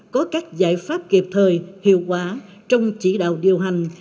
có các giải pháp kịp thời hiệu quả trong chỉ đạo điều hành